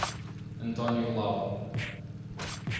Antônio Lau